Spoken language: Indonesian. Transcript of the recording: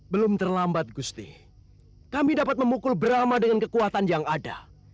belum terlambat gusti kami dapat memukul drama dengan kekuatan yang ada